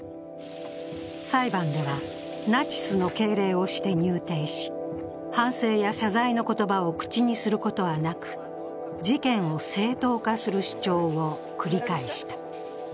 裁判ではナチスの敬礼をして入廷し反省や謝罪の言葉を口にすることはなく、事件を正当化する主張を繰り返した。